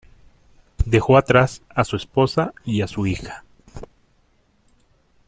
Dejó atrás a su esposa y a su hija.